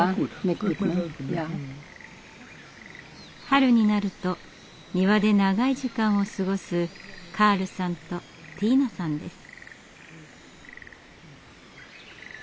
春になると庭で長い時間を過ごすカールさんとティーナさんです。